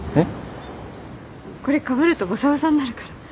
これかぶるとボサボサになるから。